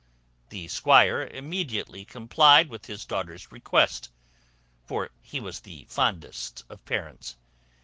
The squire immediately complied with his daughter's request (for he was the fondest of parents).